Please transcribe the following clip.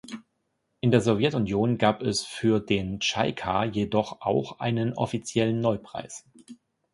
In der Sowjetunion gab es für den Tschaika jedoch auch einen offiziellen Neupreis.